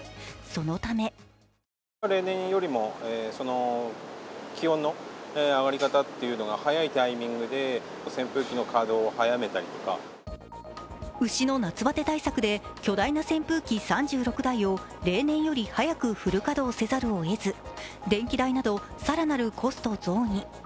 そのため牛の夏バテ対策で巨大な扇風機３６台を例年より早くフル稼働せざるをえず電気代など、更なるコスト増に。